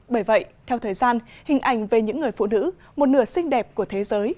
bởi vậy theo thời gian hình ảnh về những người phụ nữ một nửa xinh đẹp của thế giới